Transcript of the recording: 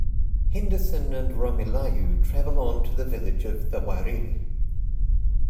Henderson and Romilayu travel on to the village of the Wariri.